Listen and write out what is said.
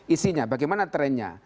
isinya bagaimana trendnya